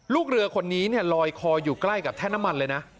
ลูกเรือคนนี้เนี่ยลอยคออยู่ใกล้กับแท่นน้ำมันเลยนะ